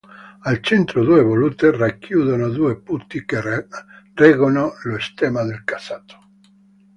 Al centro due volute racchiudono due putti che reggono lo stemma del casato.